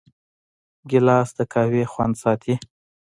ګیلاس د قهوې خوند ساتي.